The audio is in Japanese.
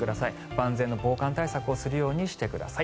万全の防寒対策をするようにしてください。